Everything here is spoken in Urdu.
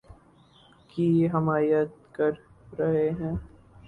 کی حمایت کر رہے ہیں